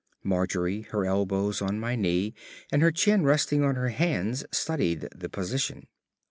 Margery, her elbows on my knee and her chin resting on her hands, studied the position.